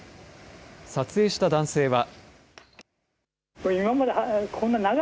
撮影した男性は。